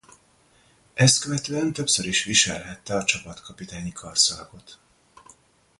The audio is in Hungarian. Ezt követően többször is viselhette a csapatkapitányi karszalagot.